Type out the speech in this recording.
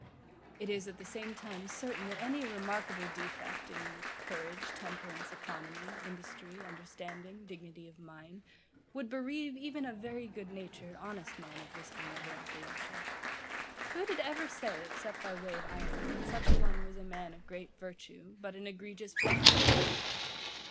It is, at the same time, certain, that any remarkable defect in courage, temperance, economy, industry, understanding, dignity of mind, would bereave even a very good natured, honest man of this honourable appellation. Who did ever say, except by way of irony, that such a one was a man of great virtue, but an egregious blockhead?